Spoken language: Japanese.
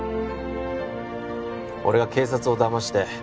俺が警察をだまして